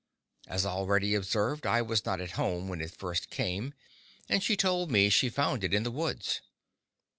As already observed, I was not at home when it first came, and she told me she found it in the woods.